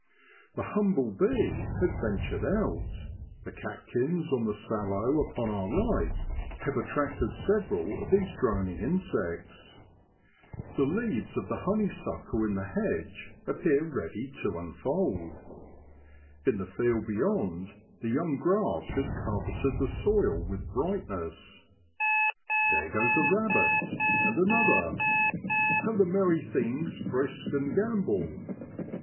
The humble bee has ventured out; the catkins on the sallow upon our right have attracted several of these droning insects. The leaves of the honeysuckle in the hedge appear ready to unfold. In the field beyond, the young grass has carpeted the soil with brightness. There goes a rabbit, and another. How the merry things frisk and gambol!